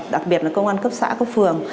đặc biệt là công an cấp xã cấp phường